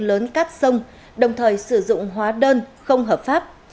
lớn cát sông đồng thời sử dụng hóa đơn không hợp pháp